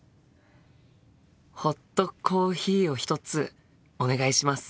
ホットコーヒーを１つお願いします。